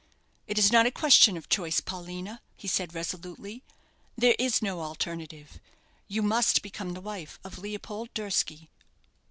It is not a question of choice, Paulina,' he said, resolutely; 'there is no alternative. You must become the wife of Leopold Durski.'"